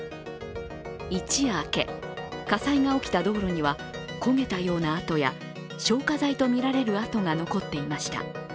一夜明け、火災が起きた道路には焦げたような跡や消火剤とみられる跡が残っていました。